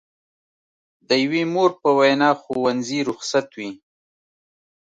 د یوې مور په وینا ښوونځي رخصت وي.